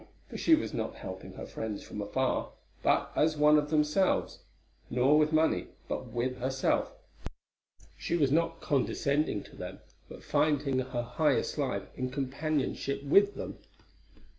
For she was not helping her friends from afar, but as one of themselves, nor with money, but with herself; she was not condescending to them, but finding her highest life in companionship with them.